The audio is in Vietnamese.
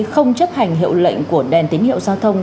không chấp hành hiệu lệnh của đèn tín hiệu giao thông